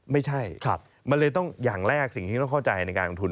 ไม่ใช่มันเลยต้องอย่างแรกสิ่งที่ต้องเข้าใจในการลงทุน